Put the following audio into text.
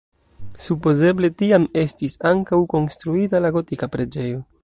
Supozeble tiam estis ankaŭ konstruita la gotika preĝejo.